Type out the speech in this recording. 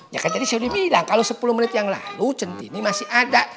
ya kan tadi saya sudah bilang kalau sepuluh menit yang lalu centini masih ada